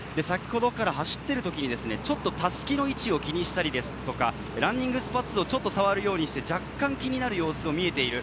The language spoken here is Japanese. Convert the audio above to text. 先ほどから走っているときに襷の位置を気にしたりですとか、ランニングスパッツをちょっと触るようにして、若干気になる様子も見えている。